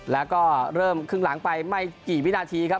แล้วก็เริ่มครึ่งหลังไปไม่กี่วินาทีครับ